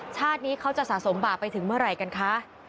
ชาตินี้เขาจะสะสมบาปไปถึงเมื่อไหร่กันคะ